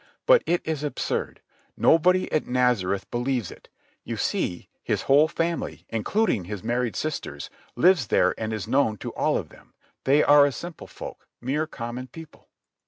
"But it is absurd. Nobody at Nazareth believes it. You see, his whole family, including his married sisters, lives there and is known to all of them. They are a simple folk, mere common people."